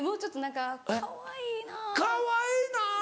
「かわいいなぁ！」。